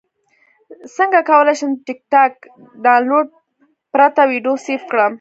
څنګه کولی شم د ټکټاک ډاونلوډ پرته ویډیو سیف کړم